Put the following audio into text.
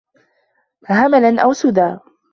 هَمَلًا أَوْ سُدًى